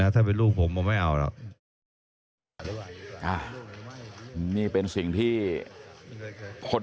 ถ้าเป็นลูกผมผมไม่เอาหรอก